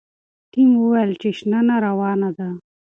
ټیم وویل چې شننه روانه ده.